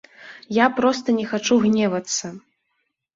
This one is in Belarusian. Я проста не хачу гневацца!